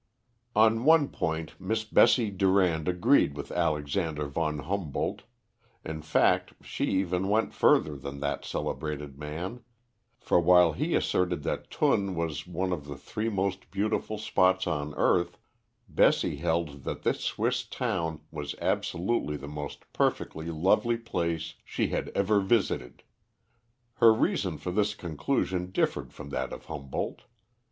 On one point Miss Bessie Durand agreed with Alexander von Humboldt in fact, she even went further than that celebrated man, for while he asserted that Thun was one of the three most beautiful spots on earth, Bessie held that this Swiss town was absolutely the most perfectly lovely place she had ever visited. Her reason for this conclusion differed from that of Humboldt.